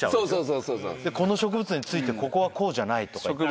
この植物についてここはこうじゃないとか言って。